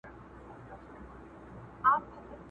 د میوند شهیده مځکه د پردي پلټن مورچل دی٫